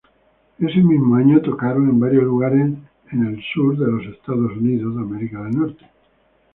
Ese mismo año, tocaron en varios lugares entre el sur de Estados Unidos.